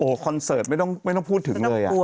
คอนเสิร์ตไม่ต้องพูดถึงเลย